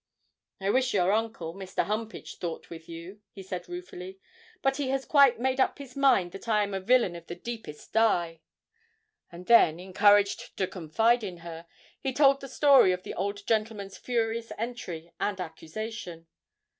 'I wish your uncle, Mr. Humpage, thought with you,' he said ruefully, 'but he has quite made up his mind that I am a villain of the deepest dye;' and then, encouraged to confide in her, he told the story of the old gentleman's furious entry and accusation.